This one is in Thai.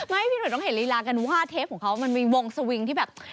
พี่หนุ่มต้องเห็นลีลากันว่าเทปของเขามันมีวงสวิงที่แบบ